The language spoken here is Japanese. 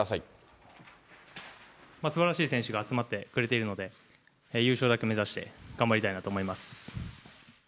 すばらしい選手が集まってくれているので、優勝だけ目指して頑張りたいなと思います。